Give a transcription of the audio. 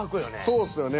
そうですよね